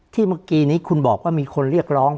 เมื่อกี้นี้คุณบอกว่ามีคนเรียกร้อง